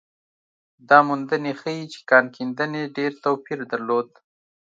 دا موندنې ښيي چې کان کیندنې ډېر توپیر درلود.